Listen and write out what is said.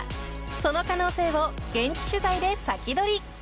その可能性を現地取材でサキドリ。